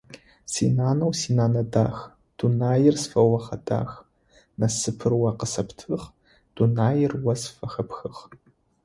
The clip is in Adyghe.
Синанэу синэнэ дах, дунаир сфэогъэдах, насыпыр о къысэптыгъ, дунаир о сфыхэпхыгъ.